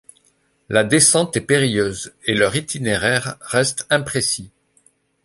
La descente est périlleuse et leur itinéraire reste imprécis.